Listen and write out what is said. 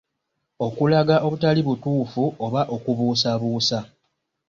Okulaga obutali butuufu oba okubuusabuusa.